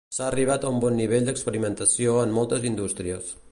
S'ha arribat a un bon nivell d'experimentació en moltes indústries.